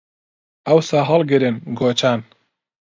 ئەوسا هەڵ ئەگرن گۆچان